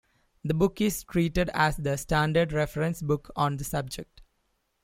The book is treated as the standard reference book on the subject.